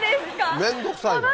面倒くさいから。